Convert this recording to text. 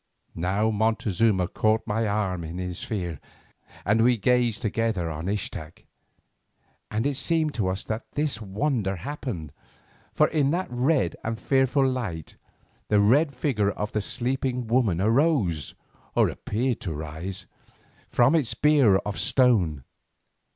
Now Montezuma caught my arm in his fear, and we gazed together on Ixtac, and it seemed to us that this wonder happened. For in that red and fearful light the red figure of the sleeping woman arose, or appeared to rise, from its bier of stone.